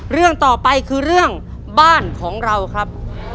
เรื่องต่อไปคือเรื่องบ้านของเราครับ